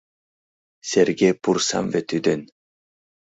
Серге пурсам вет ӱден